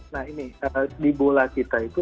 nah ini di bola kita itu